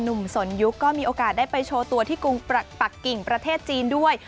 สนยุคก็มีโอกาสได้ไปโชว์ตัวที่กรุงปักกิ่งประเทศจีนด้วย